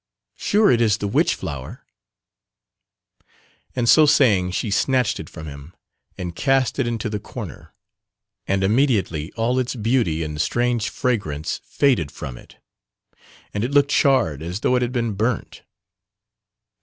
sure it is the witch flower"; and so saying she snatched it from him and cast it into the corner, and immediately all its beauty and strange fragrance faded from it and it looked charred as though it had been burnt.